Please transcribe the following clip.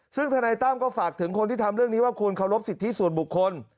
ซึ่งธนายตั้มก็ฝากถึงคนที่ทำเรื่องนี้ว่าควรเคารพสิทธิส่วนบุคคล